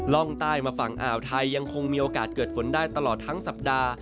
ร่องใต้มาฝั่งอ่าวไทยยังคงมีโอกาสเกิดฝนได้ตลอดทั้งสัปดาห์